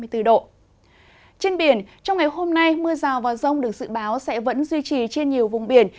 trên biển trong ngày hôm nay mưa rào và rông được dự báo sẽ vẫn duy trì trên nhiều vùng biển